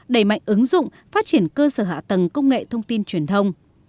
đẩy mạnh ứng dụng phát triển cơ sở hạ tầng công nghệ thông tin truyền thông